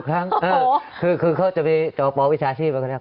ทุกครั้งคือเขาจะมีต่อปอวิชาชีพค่ะ